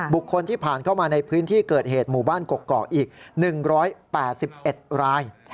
บุคคลที่ผ่านเข้ามาในพื้นที่เกิดเหตุหมู่บ้านกกอกอีก๑๘๑ราย